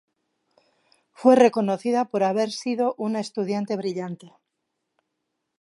Fue reconocida por haber sido una estudiante brillante.